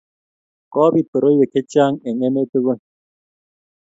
kobit koroiwek chechang eng emet tugul